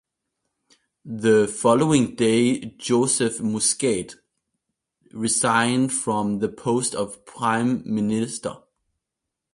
The following day Joseph Muscat resigned from the post of Prime Minister.